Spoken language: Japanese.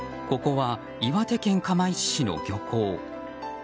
ここは岩手県釜石市の漁港。